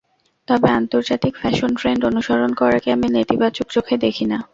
তবে আন্তর্জাতিক fashion trend অনুসরণ করাকে আমি নেতিবাচক চোখে দেখি না।